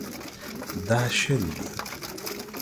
دا شل دي.